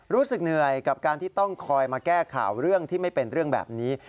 รู้สึกเหนื่อยกับการที่ต้องคอยมาแก้ข่าวเรื่องที่ไม่เป็นเรื่องแบบนี้